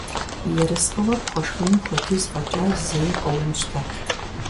Ерыскъыуэ пхуэшхынум хуэдиз фӀэкӀа зэи къыумыщтэ.